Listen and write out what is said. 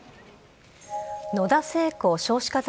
野田聖子